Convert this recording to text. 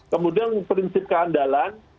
kemudian prinsip keandalan